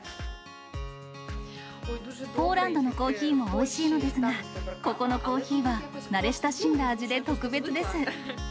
ポーランドのコーヒーもおいしいのですが、ここのコーヒーは慣れ親しんだ味で特別です。